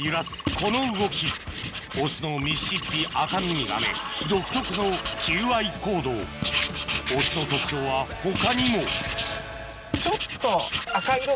この動きオスのミシシッピアカミミガメ独特の求愛行動オスの特徴は他にもちょっと。